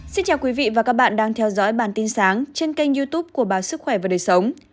xin chào quý vị và các bạn đang theo dõi bản tin sáng trên kênh youtube của báo sức khỏe và đời sống